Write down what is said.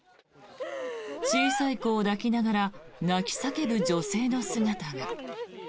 小さい子を抱きながら泣き叫ぶ女性の姿が。